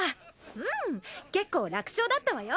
うん結構楽勝だったわよ。